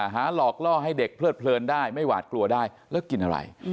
หลอกล่อให้เด็กเพลิดเพลินได้ไม่หวาดกลัวได้แล้วกินอะไร